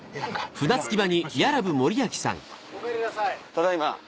ただいま。